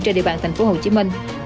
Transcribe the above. trên địa bàn tp hcm